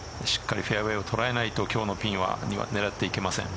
しっかりフェアウエーを捉えないと今日のピンを狙っていけません。